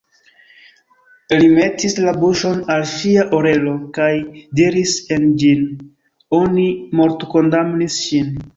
Li metis la buŝon al ŝia orelo kaj diris en ĝin: "Oni mortkondamnis ŝin."